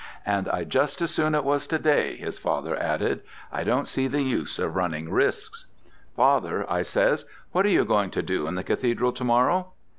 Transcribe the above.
"And I'd just as soon it was to day," his father added, "I don't see the use of running risks." "'Father,' I says, 'what are you going to do in the Cathedral to morrow?'